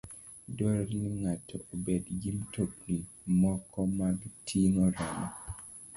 Dwarore ni ng'ato obed gi mtokni moko mag ting'o remo